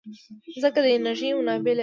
مځکه د انرژۍ منابع لري.